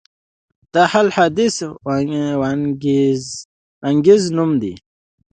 د اهل حدیث وانګریز نوم یې و.